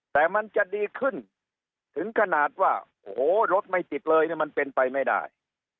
แต่มันจะดีขึ้นถึงขนาดว่าโอ้โหรถไม่ติดเลยเนี่ยมันเป็นไปไม่ได้